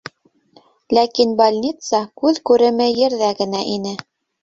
Ләкин больница күҙ күреме ерҙә генә ине.